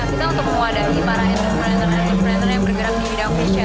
kita untuk mewadahi para entrepreneur entrepreneur yang bergerak di bidang fashion